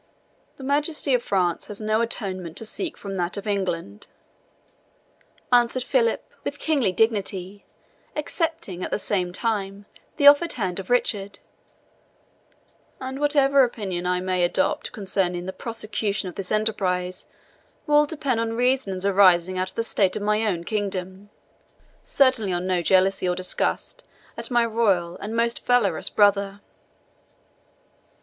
"The Majesty of France has no atonement to seek from that of England," answered Philip, with kingly dignity, accepting, at the same time, the offered hand of Richard; "and whatever opinion I may adopt concerning the prosecution of this enterprise will depend on reasons arising out of the state of my own kingdom certainly on no jealousy or disgust at my royal and most valorous brother."